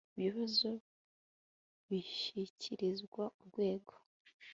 ibyo bibazo bishyikirizwa urwego